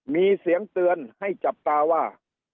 มีเสียงเตือนให้จับตาว่า